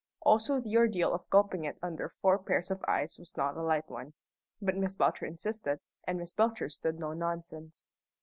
Also the ordeal of gulping it under four pairs of eyes was not a light one. But Miss Belcher insisted, and Miss Belcher stood no nonsense.